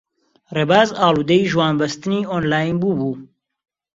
ڕێباز ئاڵوودەی ژوانبەستنی ئۆنلاین بووبوو.